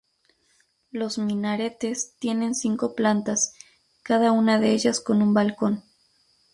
Los minaretes tienen cinco plantas, cada una de ellas con un balcón.